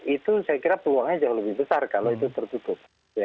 itu saya kira peluangnya jauh lebih besar kalau itu tertutup